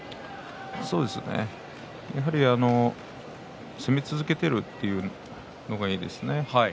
そうですね、やはり攻め続けているというのがいいですね。